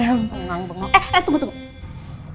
engang bengong eh eh tunggu tunggu